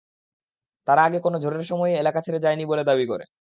তারা আগে কোনো ঝড়ের সময়ই এলাকা ছেড়ে যায়নি বলে দাবি করে।